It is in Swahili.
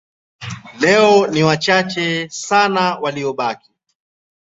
Leo ni wachache sana waliobaki.